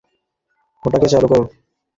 ওটাকে চালু করো!